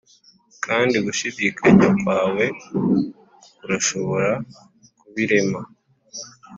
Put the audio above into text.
kandi gushidikanya kwawe kurashobora kubirema.